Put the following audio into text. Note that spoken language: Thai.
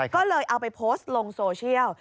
ก็เลยเอาไปโพสต์ลงโซเชียล